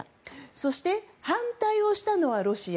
そして、反対をしたのはロシア。